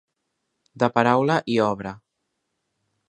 De paraula i obra.